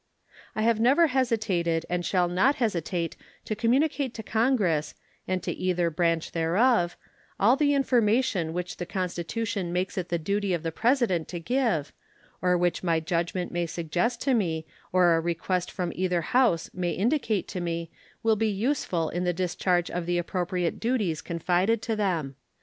I have never hesitated and shall not hesitate to communicate to Congress, and to either branch thereof, all the information which the Constitution makes it the duty of the President to give, or which my judgment may suggest to me or a request from either House may indicate to me will be useful in the discharge of the appropriate duties confided to them.